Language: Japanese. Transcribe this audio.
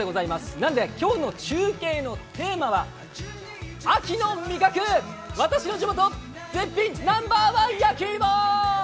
なので今日の中継のテーマは、秋の味覚、私の地元、絶品ナンバーワン焼き芋！